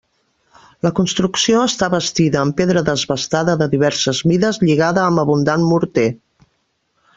La construcció està bastida amb pedra desbastada de diverses mides lligada amb abundant morter.